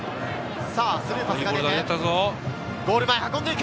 スルーパスが出て、ゴール前、運んでいく。